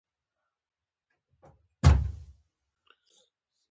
شنې ونې چاپېریال ښکلی کوي.